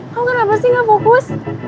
kan kita harusnya lurus